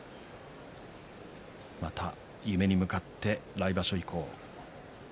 また夢に向かって来場所以降。